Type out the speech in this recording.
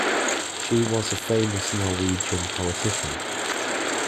She was a famous Norwegian politician.